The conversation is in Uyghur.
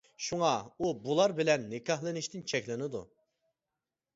شۇڭا ئۇ بۇلار بىلەن نىكاھلىنىشتىن چەكلىنىدۇ.